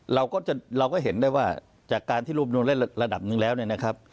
เราก็จะเราก็เห็นได้ว่าจากการที่รวบรวมเล่นระดับหนึ่งแล้วเนี่ยนะครับ